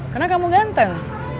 karena kamu ganteng